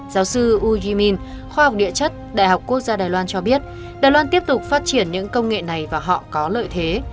giáo sư uzimin khoa học địa chất đại học quốc gia đài loan cho biết đài loan tiếp tục phát triển những công nghệ này và họ có lợi thế